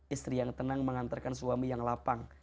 istri yang tenang mengantarkan suami yang lapang